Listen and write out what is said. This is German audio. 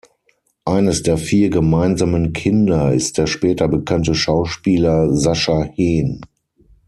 Eines der vier gemeinsamen Kinder ist der später bekannte Schauspieler Sascha Hehn.